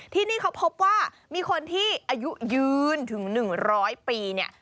ที่นี่เขาพบว่ามีคนที่อายุยืนถึง๑๐๐ปีเนี่ย